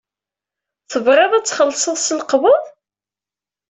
Tebɣiḍ ad txellṣeḍ s lqebḍ?